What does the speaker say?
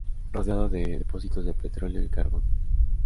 Rodeado de depósitos de petróleo y carbón.